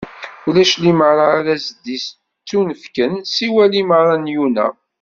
Ulac limaṛa ara s-d-ittunefken siwa limaṛa n Yuna.